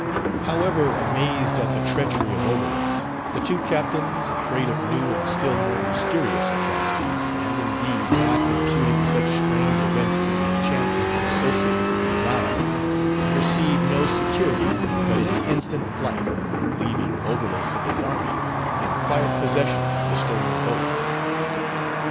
However amazed at the treachery of Oberlus, the two captains, afraid of new and still more mysterious atrocities—and indeed, half imputing such strange events to the enchantments associated with these isles—perceive no security but in instant flight; leaving Oberlus and his army in quiet possession of the stolen boat.